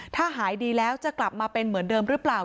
ถ้าหายดีแล้วจะกลับมาเป็นเหมือนเดิมหรือเปล่า